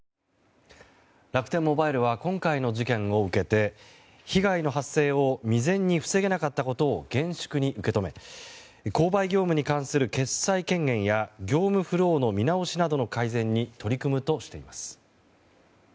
楽天モバイルは今回の事件を受けて被害の発生を未然に防げなかったことを厳粛に受け止め購買業務に関する決裁権限や業務フローの見直しなどの改善に取り組むとしています。